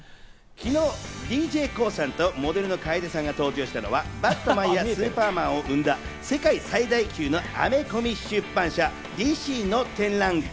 昨日、ＤＪＫＯＯさんとモデルの楓さんが登場したのは『バットマン』や『スーパーマン』を生んだ世界最大級のアメコミ出版会社ＤＣの展覧会。